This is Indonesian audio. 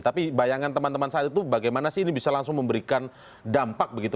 tapi bayangan teman teman saat itu bagaimana sih ini bisa langsung memberikan dampak begitu